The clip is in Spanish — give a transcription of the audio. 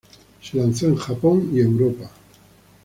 Se lanzó en Japón y Europa.